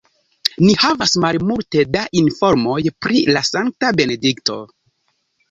Ni havas malmulte da informoj pri la sankta Benedikto.